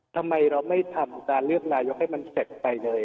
ทำไมเราไม่ทำการเลือกนายกให้มันเสร็จไปเลย